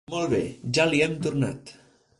Molt bé, ja li hem tornant.